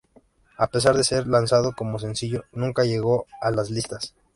A pesar de ser lanzado como sencillo nunca llegó a las listas.